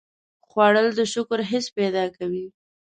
خوړل د شکر حس پیدا کوي